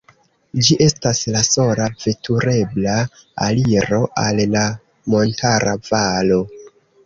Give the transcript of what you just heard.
Ĝi estas la sola veturebla aliro al la montara valo.